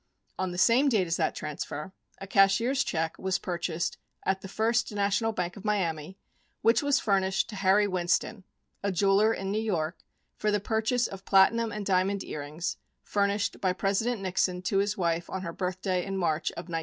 On the same date as that transfer, a cashier's check was purchased at the First National Bank of Miami, which was furnished to Harry Winston, a jeweler in New York, for the purchase of platinum and diamond earrings, furnished by President Nixon to his wife on her birthday in March of 1972.